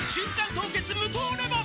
凍結無糖レモン」